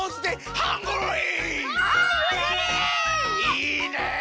いいね！